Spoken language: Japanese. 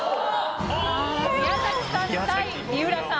宮崎さん対三浦さん